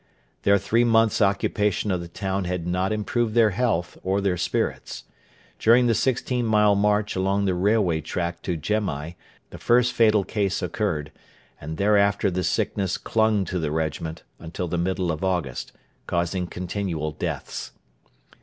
Their three months' occupation of the town had not improved their health or their spirits. During the sixteen mile march along the railway track to Gemai the first fatal case occurred, and thereafter the sickness clung to the regiment until the middle of August, causing continual deaths.